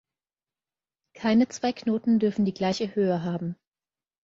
Keine zwei Knoten dürfen die gleiche Höhe haben.